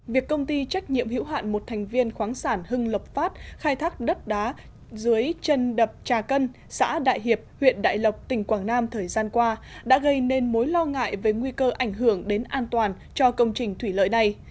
việc công ty trách nhiệm hữu hạn một thành viên khoáng sản hưng lộc phát khai thác đất đá dưới chân đập trà cân xã đại hiệp huyện đại lộc tỉnh quảng nam thời gian qua đã gây nên mối lo ngại về nguy cơ ảnh hưởng đến an toàn cho công trình thủy lợi này